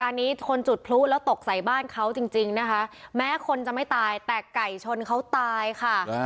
อันนี้คนจุดพลุแล้วตกใส่บ้านเขาจริงนะคะแม้คนจะไม่ตายแต่ไก่ชนเขาตายค่ะ